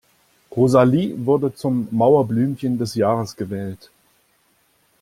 Rosalie wurde zum Mauerblümchen des Jahrgangs gewählt.